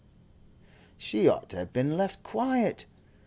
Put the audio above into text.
She ought to have been left quiet.